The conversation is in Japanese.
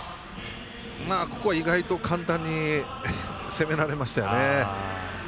ここは意外と簡単に攻められましたよね。